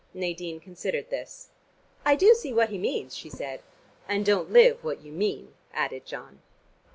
Nadine considered this. "I do see what he means," she said. "And don't live what you mean," added John.